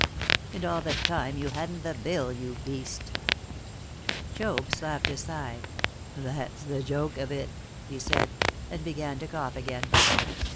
"And all the time you hadn't the bill, you beast!" Job slapped his thigh. "That's the joke of it," he said, and began to cough again.